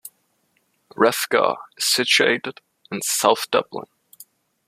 Rathgar is situated in south Dublin.